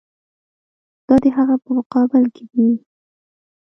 دا د هغه په مقابل کې دي.